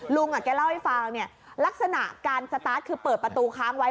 ลุงแกเล่าให้ฟังเนี่ยลักษณะการสตาร์ทคือเปิดประตูค้างไว้